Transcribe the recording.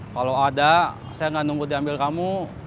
kalau ada saya nggak nunggu diambil kamu